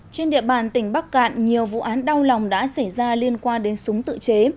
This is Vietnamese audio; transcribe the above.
trên địa bàn tỉnh bắc cạn nhiều vụ án đau lòng đã xảy ra liên quan đến súng tự chế